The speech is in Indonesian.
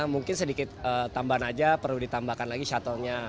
mungkin sedikit tambahan aja perlu ditambahkan lagi shuttle nya